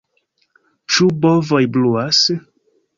Ĉu bovoj bruas?